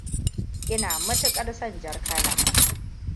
Ina matukar son Jar kala.